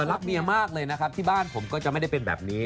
รักเมียมากเลยนะครับที่บ้านผมก็จะไม่ได้เป็นแบบนี้